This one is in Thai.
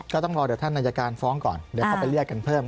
ก็ต้องรอเดี๋ยวท่านอายการฟ้องก่อนเดี๋ยวเขาไปเรียกกันเพิ่ม